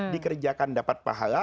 dikerjakan dapat pahala